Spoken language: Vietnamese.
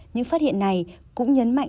những phát hiện này cũng nhấn mạnh